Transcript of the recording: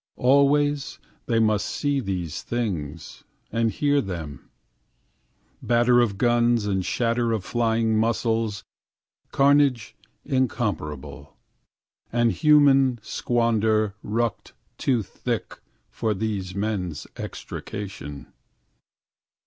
Always they must see these things and hear them, Batter of guns and shatter of flying muscles, Carnage incomparable and human squander Rucked too thick for these men's extrication.